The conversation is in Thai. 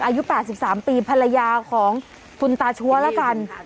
อายุ๘๓ปีภรรยาของคุณตาชัวร์แล้วกัน